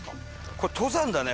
これ登山だね